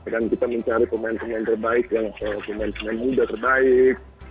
dan kita mencari pemain pemain yang terbaik pemain pemain muda terbaik